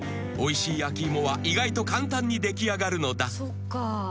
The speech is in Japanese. ［おいしい焼き芋は意外と簡単に出来上がるのだ］